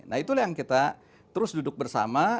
nah itulah yang kita terus duduk bersama